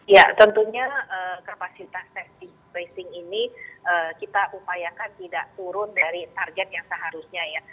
ya tentunya kapasitas testing tracing ini kita upayakan tidak turun dari target yang seharusnya ya